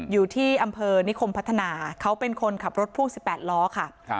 อยู่ที่อำเภอนิคมพัฒนาเขาเป็นคนขับรถพ่วง๑๘ล้อค่ะ